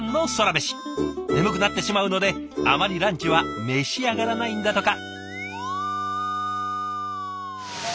眠くなってしまうのであまりランチは召し上がらないんだとか。